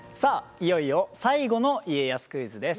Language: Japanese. いよいよ最後の家康クイズです。